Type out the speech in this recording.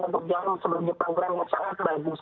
untuk jaminan sebagian program yang sangat bagus